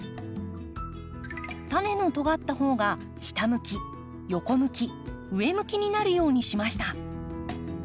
タネのとがった方が下向き横向き上向きになるようにしました。